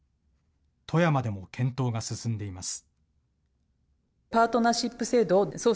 富山でも検討が進んでいます。